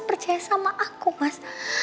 percaya sama aku mas